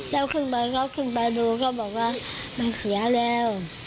แล้วขึ้นไปเขาขึ้นไปดูเขาบอกว่ามันเสียแล้ว